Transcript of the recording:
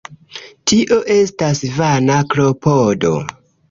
Tio estas vana klopodo.